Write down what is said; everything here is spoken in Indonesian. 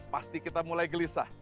pasti kita mulai gelisah